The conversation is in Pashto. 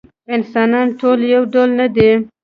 انسانان ټول یو ډول نه دي.